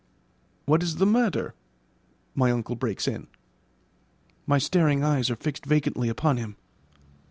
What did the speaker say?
"What is the matter?" my uncle breaks in. My staring eyes are fixed vacantly upon him.